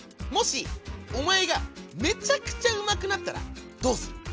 もしおまえがめちゃくちゃうまくなったらどうする？